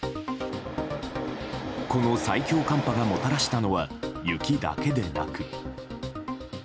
この最強寒波がもたらしたのは雪だけでなく。